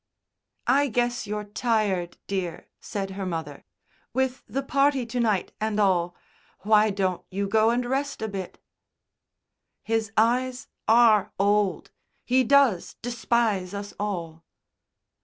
"I guess you're tired, dear," said her mother. "With the party to night and all. Why don't you go and rest a bit?" "His eyes are old! He does despise us all."